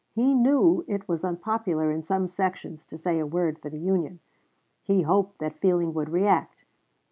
He knew it was unpopular in some sections to say a word for the Union. He hoped that feeling would react.